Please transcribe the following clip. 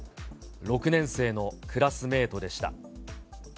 ６年生のクラスメートでした。